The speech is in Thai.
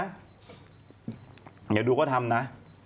เดี๋ยวดูก็ทำนะ